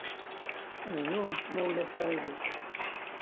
Bdumt, ma ulac aɣilif.